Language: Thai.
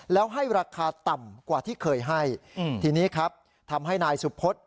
แล้วให้ราคาต่ำกว่าที่เคยให้ทีนี้ครับทำให้นายสุพฤษ